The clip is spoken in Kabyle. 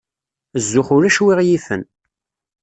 Zzux ulac wi ɣ-yifen.